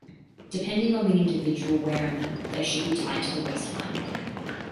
Depending on the individual wearing them, they should be tied to the waistline.